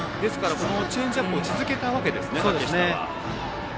チェンジアップを続けたわけですね、竹下は。